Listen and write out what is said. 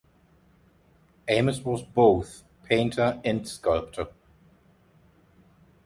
Ames was both painter and sculptor.